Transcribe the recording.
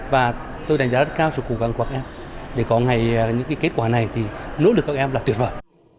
và tôi đánh giá rất cao sự cố gắng của các em để có ngày những kết quả này thì nỗ lực các em là tuyệt vời